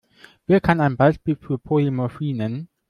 Wer kann ein Beispiel für Polymorphie nennen?